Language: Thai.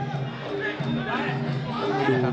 นี่ครับ